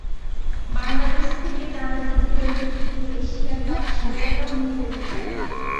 বাংলাদেশ থেকে টানা দ্বিতীয় এবং তৃতীয় এশিয়া কাপ শিরোপাটাও নিয়ে যেতে চায়।